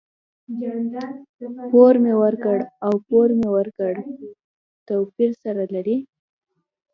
پور مي ورکړ او پور مې ورکړ؛ توپير سره لري.